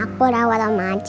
aku rawat sama acah